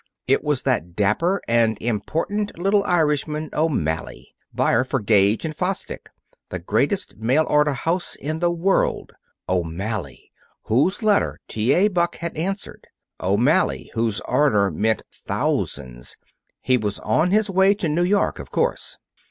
It was that dapper and important little Irishman, O'Malley, buyer for Gage & Fosdick, the greatest mail order house in the world O'Malley, whose letter T. A. Buck had answered; O'Malley, whose order meant thousands. He was on his way to New York, of course.